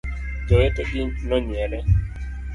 Jowete gi nonyiere.